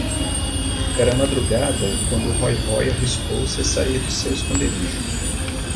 Era madrugada quando Rói-Rói arriscou-se a sair do seu esconderijo.